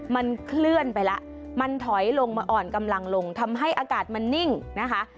มันเคลื่อนไปแล้วมันถอยลงมาอ่อนกำลังลงทำให้อากาศมันนิ่งนะคะ